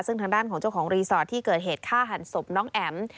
ซึ่งทางด้านของเจ้าของรีสอร์ทที่เกิดเหตุฆ่าหันศพน้องแอ๋ม